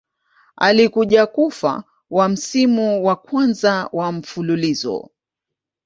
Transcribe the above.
Alikuja kufa wa msimu wa kwanza wa mfululizo.